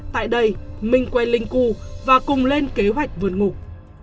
tại đây minh quen linh cưu và cùng lên kế hoạch vượt ngục